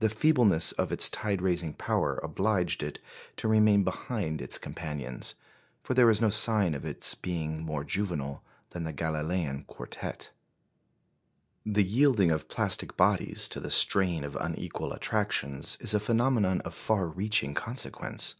The feebleness of its tide raising power obliged it to remain behind its companions; for there is no sign of its being more juvenile than the Galilean quartette. The yielding of plastic bodies to the strain of unequal attractions is a phenomenon of far reaching consequence.